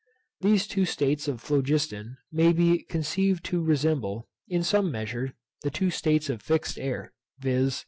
These two states of phlogiston may be conceived to resemble, in some measure, the two states of fixed air, viz.